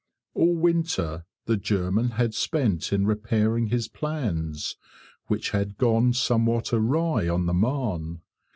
All winter the German had spent in repairing his plans, which had gone somewhat awry on the Marne.